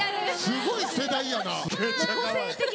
すごい世代やな。